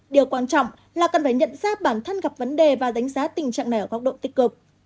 điều quan trọng là cần phải nhận xác bản thân gặp vấn đề và đánh giá tình trạng này ở góc độ tích cực